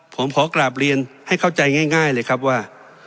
ผมขอกราบเรียนให้เข้าใจง่ายเลยครับว่า